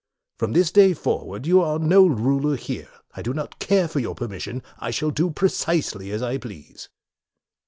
From this day forward you are no ruler here. I do not care for your permission. I shall do precisely as I please."